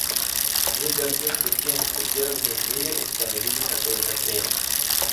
Мы гордимся тем, что первыми в мире установили такой запрет.